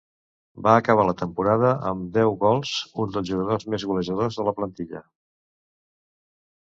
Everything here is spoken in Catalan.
Va acabar la temporada amb deu gols, un dels jugadors més golejadors de la plantilla.